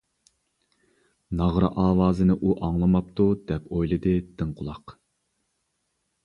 «ناغرا ئاۋازىنى ئۇ ئاڭلىماپتۇ» دەپ ئويلىدى دىڭ قۇلاق.